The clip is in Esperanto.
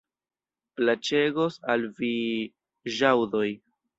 Plaĉegos al vi ĵaŭdoj.